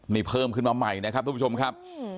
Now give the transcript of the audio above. นี่เพิ่มขึ้นมาใหม่นะครับทุกผู้ชมครับ